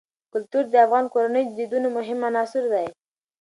کلتور د افغان کورنیو د دودونو مهم عنصر دی.